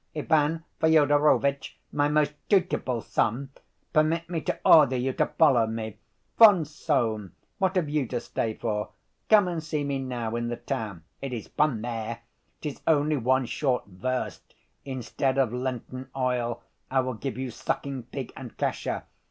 Ivan Fyodorovitch, my most dutiful son, permit me to order you to follow me. Von Sohn, what have you to stay for? Come and see me now in the town. It is fun there. It is only one short verst; instead of lenten oil, I will give you sucking‐pig and kasha.